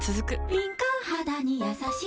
敏感肌にやさしい